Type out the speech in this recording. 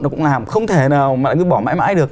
nó cũng làm không thể nào mà lại cứ bỏ mãi mãi được